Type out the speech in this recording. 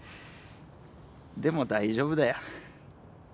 でも大丈夫だよ